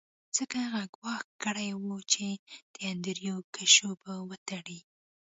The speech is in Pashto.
ځکه هغه ګواښ کړی و چې د انډریو کشو به وتړي